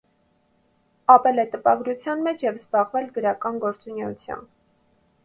Ապրել է տարագրության մեջ և զբաղվել գրական գործունեությամբ։